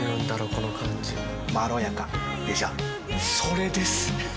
この感じまろやかでしょそれです！